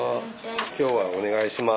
今日はお願いします。